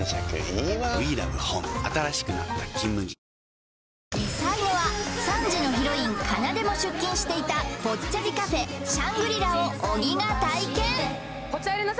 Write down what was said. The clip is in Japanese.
わかるぞ最後は３時のヒロインかなでも出勤していたぽっちゃりカフェＳｈａｎｇｒｉｌａを小木が体験あ